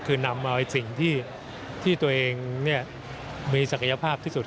คือนำเอาสิ่งที่ตัวเองมีศักยภาพที่สุด